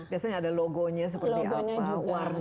biasanya ada logonya seperti apa warnanya